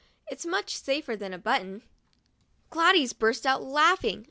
It's much safer than a button." Gladys burst out laughing.